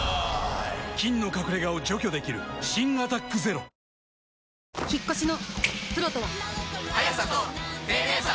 菌の隠れ家を除去できる新「アタックＺＥＲＯ」まだ始めてないの？